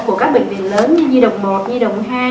của các bệnh viện lớn như đồng một đồng hai